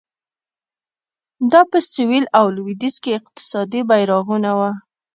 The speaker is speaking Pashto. دا په سوېل او لوېدیځ کې اقتصادي بیارغونه وه.